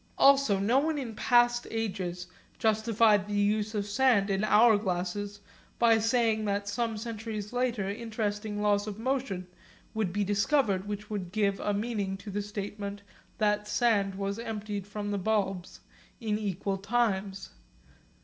Also no one in past ages justified the use of sand in hour glasses by saying that some centuries later interesting laws of motion would be discovered which would give a meaning to the statement that the sand was emptied from the bulbs in equal times.